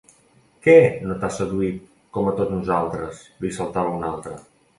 -¿Què no t'ha seduït, com a tots nosaltres?- li saltava un altre.